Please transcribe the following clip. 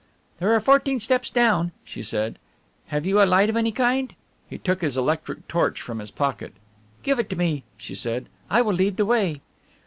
"There are fourteen steps down," she said, "have you a light of any kind?" He took his electric torch from his pocket. "Give it to me," she said, "I will lead the way."